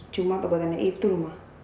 cuma perbuatannya itu ma